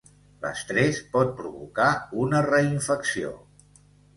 L’estrés pot provocar una reinfecció.